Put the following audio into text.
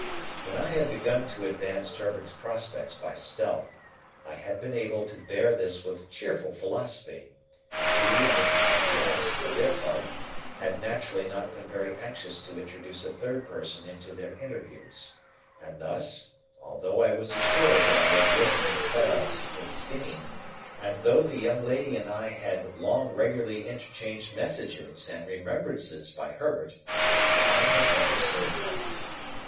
When I had begun to advance Herbert's prospects by stealth, I had been able to bear this with cheerful philosophy: he and his affianced, for their part, had naturally not been very anxious to introduce a third person into their interviews; and thus, although I was assured that I had risen in Clara's esteem, and although the young lady and I had long regularly interchanged messages and remembrances by Herbert, I had never seen her.